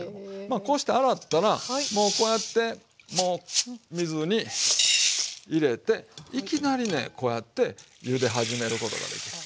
こうして洗ったらもうこうやってもう水に入れていきなりねこうやってゆで始めることができる。